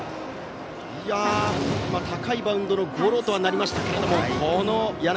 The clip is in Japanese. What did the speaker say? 高いバウンドのゴロとはなりましたけど。